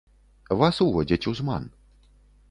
Вас уводзяць у зман.